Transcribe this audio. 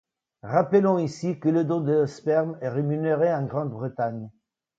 Rappelons ici que le don de sperme est rémunéré en Grande-Bretagne.